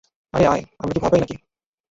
আরে, আয় আমরা কি ভয় পাই নাকি?